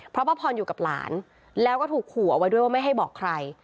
เพราะป้าพรอยู่กับหลานแล้วก็ถูกขู่เอาไว้ด้วยว่าไม่ให้บอกใคร